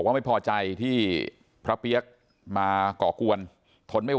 ฝ่ายกรเหตุ๗๖ฝ่ายมรณภาพกันแล้ว